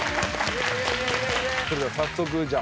それでは早速じゃあ。